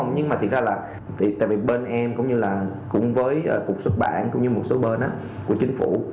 nhưng mà thực ra là tại vì bên em cũng như là cùng với cục xuất bản cũng như một số bên của chính phủ